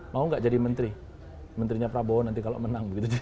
mau nggak jadi menteri menterinya prabowo nanti kalau menang begitu